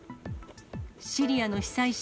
シリアの被災者